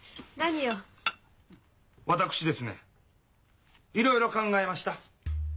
私ですねいろいろ考えました。